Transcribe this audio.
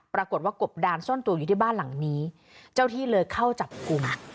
ปรากฏว่ากบดานซ่อนตัวอยู่ที่บ้านหลังนี้เจ้าที่เลยเข้าจับกลุ่ม